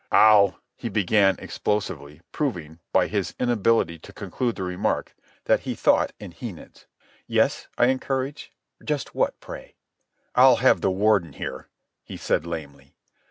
"I'll—" he began explosively, proving, by his inability to conclude the remark, that he thought in henids. "Yes?" I encouraged. "Just what, pray?" "I'll have the Warden here," he said lamely.